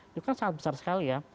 itu kan sangat besar sekali ya